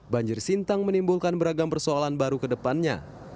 banjir sintang menimbulkan beragam persoalan baru ke depannya